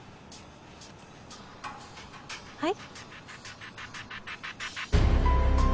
はい？